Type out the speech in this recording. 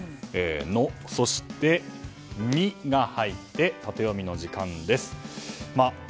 「ノ」、そして「ミ」が入ってタテヨミの時間です。